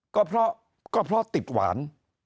ก็เพราะติดหวาน